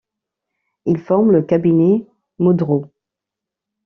Il forme le cabinet Modrow.